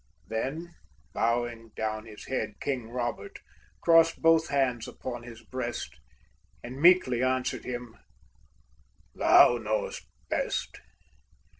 Then, bowing down his head, King Robert crossed both hands upon his breast, And meekly answered him: "Thou knowest best!